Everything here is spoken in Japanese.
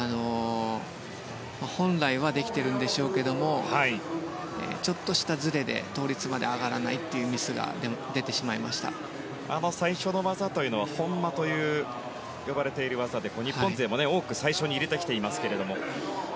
本来はできているんでしょうけれどもちょっとしたずれで倒立まで上がらないというミスが最初の技というのはホンマと呼ばれている技で日本勢も多く最初に入れてきていますが。